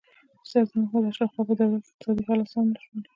د سردار محمد هاشم خان په دوره کې اقتصادي حالات سم نه شول.